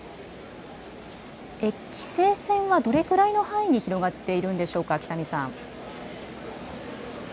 規制線はどれぐらいの範囲に広がっているんでしょうか、北見さん。